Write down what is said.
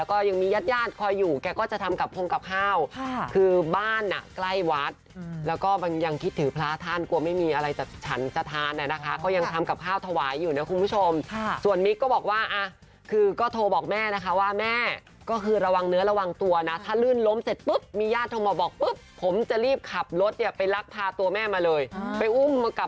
ก็ยังมีญาติญาติคอยอยู่แกก็จะทำกับพงกับข้าวคือบ้านอ่ะใกล้วัดแล้วก็บางยังคิดถึงพระท่านกลัวไม่มีอะไรจากฉันจะทานนะคะก็ยังทำกับข้าวถวายอยู่นะคุณผู้ชมส่วนมิ๊กก็บอกว่าอ่ะคือก็โทรบอกแม่นะคะว่าแม่ก็คือระวังเนื้อระวังตัวนะถ้าลื่นล้มเสร็จปุ๊บมีญาติโทรมาบอกปุ๊บผมจะรีบขับรถเนี่ยไปลักพาตัวแม่มาเลยไปอุ้มมากับ